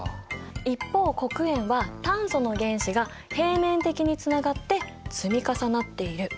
一方黒鉛は炭素の原子が平面的につながって積み重なっている。